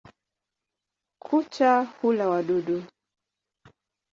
Kucha hula wadudu.